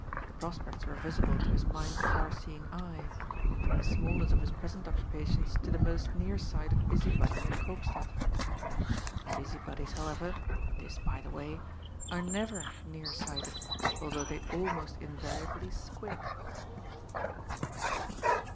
The prospects were yisible to his mind's far seeing eye; the smallness of his present occupations to the most near sighted busybody in Koopstad. Busybodies, however — ^this by the way — are never near sighted, although they almost invariably squint.